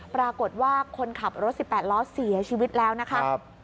ปรากฏว่าคนขับรถ๑๘ล้อเสียชีวิตแล้วนะคะ